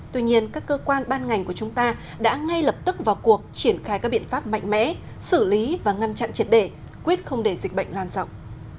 tuy nhiên các cơ quan ban ngành của chúng ta đã ngay lập tức vào cuộc triển khai các biện pháp mạnh mẽ xử lý và ngăn chặn triệt để quyết không để dịch bệnh lan rộng